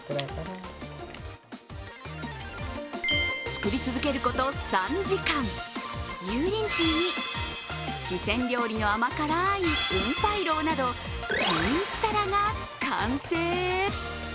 作り続けること３時間、ユーリンチーに四川料理の甘辛いウンパイロウなど１１皿が完成。